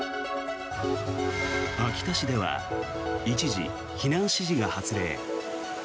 秋田市では一時、避難指示が発令。